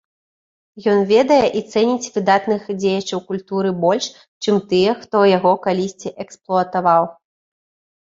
Ён ведае і цэніць выдатных дзеячаў культуры больш, чым тыя, хто яго калісьці эксплуатаваў.